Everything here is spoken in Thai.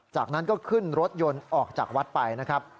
จากนั้นก็ขึ้นรถยนต์ออกจากวัดไปนะครับ